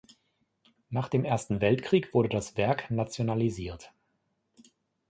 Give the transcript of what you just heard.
Nach dem Ersten Weltkrieg wurde das Werk nationalisiert.